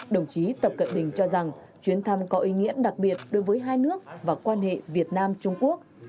đồng chí tập cận bình cho rằng chuyến thăm có ý nghĩa đặc biệt đối với hai nước và quan hệ việt nam trung quốc